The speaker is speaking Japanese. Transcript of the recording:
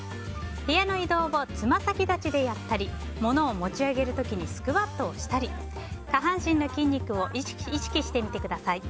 部屋の移動をつま先立ちでやったりものを持ち上げる時にスクワットをしたり下半身の筋肉を意識してみてください。